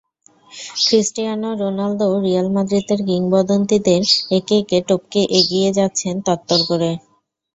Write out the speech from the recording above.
Cristiano রোনালদোও Real মাদ্রিদের কিংবদন্তিদের একে একে টপকে এগিয়ে যাচ্ছেন তরতর করে।